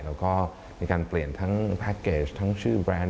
แล้วก็มีการเปลี่ยนทั้งแพ็คเกจทั้งชื่อแบรนด์